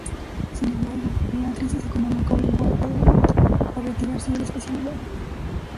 Sin embargo, la crisis económica obligó a Peugeot a retirarse de la especialidad.